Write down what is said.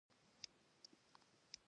د ولسونو په کلتور کې د کیسو مجلسونه وو.